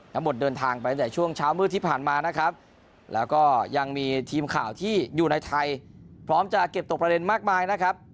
เดินทางไปตั้งแต่ช่วงเช้ามืดที่ผ่านมานะครับแล้วก็ยังมีทีมข่าวที่อยู่ในไทยพร้อมจะเก็บตกประเด็นมากมายนะครับ